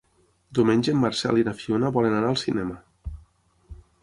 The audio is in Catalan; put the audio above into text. Diumenge en Marcel i na Fiona volen anar al cinema.